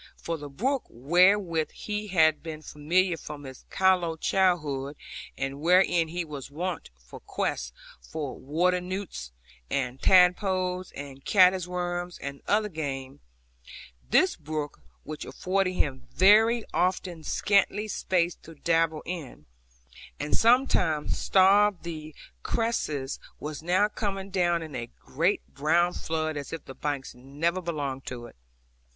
For the brook, wherewith he had been familiar from his callow childhood, and wherein he was wont to quest for water newts, and tadpoles, and caddis worms, and other game, this brook, which afforded him very often scanty space to dabble in, and sometimes starved the cresses, was now coming down in a great brown flood, as if the banks never belonged to it.